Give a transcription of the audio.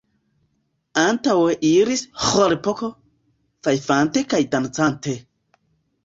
Antaŭe iris Ĥlopko, fajfante kaj dancante.